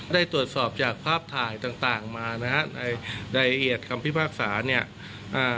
ได้ตรวจสอบจากภาพถ่ายต่างต่างมานะฮะในรายละเอียดคำพิพากษาเนี่ยอ่า